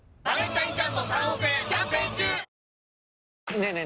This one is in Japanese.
ねえねえ